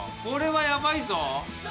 これはやばいぞ。